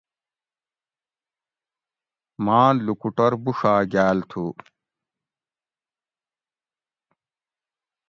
ماں لُکُٹور بوڛاگاۤل تھُو